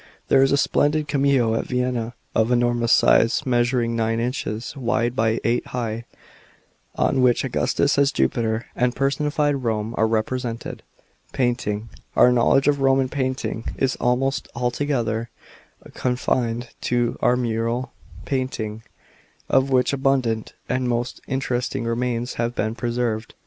There is a splendid cameo at Vienna, of enormous size, measuring nine inches wide by eight high, on which Augustus as Jupiter and personified Rome are represented. § 29. PAINTING. — Our knowledge of Roman painting is almost altogether confined to mural painting, of which abundant and most interesting remains have been preserved.